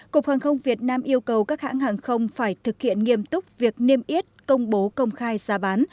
cục hàng không việt nam yêu cầu các hãng hàng không phải thực hiện nghiêm túc việc niêm yết công bố công khai giá bán